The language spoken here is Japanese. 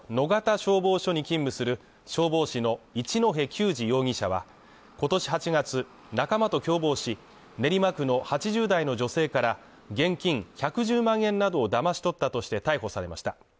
消防署に勤務する消防士の一戸赳児容疑者は今年８月仲間と共謀し練馬区の８０代の女性から現金１１０万円などをだまし取ったとして逮捕されました